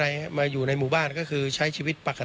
ส่งมาให้โอโนเฟอร์เรเวอร์